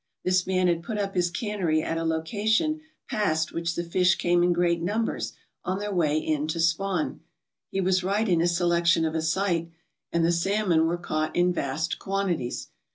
This man had put up his cannery at a location past which the fish came in great num bers on their way in to spawn. He was right in his selection of a site, and the salmon were caught in vast quantities.